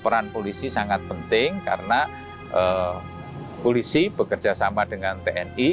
peran polisi sangat penting karena polisi bekerja sama dengan tni